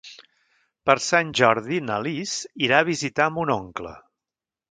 Per Sant Jordi na Lis irà a visitar mon oncle.